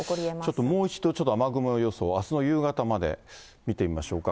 ちょっともう一度雨雲予想、あすの夕方まで見てみましょうか。